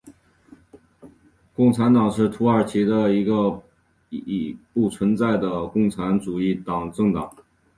共产党是土耳其的一个已不存在的共产主义政党。